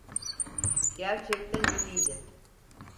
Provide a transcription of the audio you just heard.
Gerçekten iyiydi.